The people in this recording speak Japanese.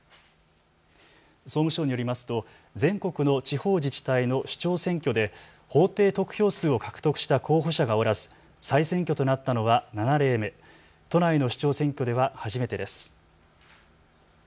総務省によりますと全国の地方自治体の首長選挙で法定得票数を獲得した候補者がおらず、再選挙となったのは７例目、都内の首長選挙では初めてです。